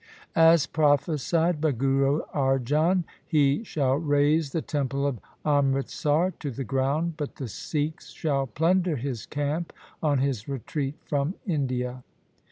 As prophesied by Guru Arjan, he shall raze the temple of Amritsar to the ground, but the Sikhs shall plunder his camp on his retreat from India.